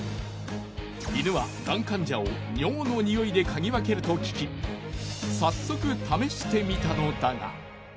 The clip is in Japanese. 犬はがん患者を尿の臭いで嗅ぎ分けると聞き早速試してみたのだが。